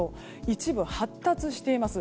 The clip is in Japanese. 一部、発達しています。